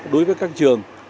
đối với các trường